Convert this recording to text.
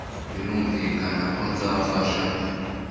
birumvikana ko nzafasha